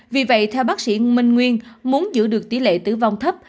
vì vậy theo bác sĩ minh nguyên muốn giữ được tỷ lệ tử vong thấp